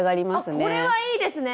あこれはいいですね。